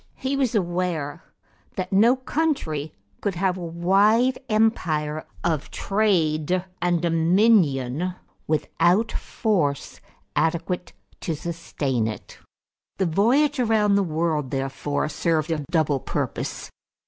He was aware that no country could have a wide empire of trade and dominion without force adequate to sustain it. The voyage around the world therefore served a double purpose.